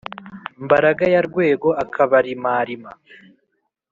mbaragaya rwego akabarimarima.